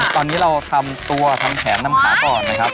ตอนนี้เราทำตัวทำแขนทำขาก่อนนะครับ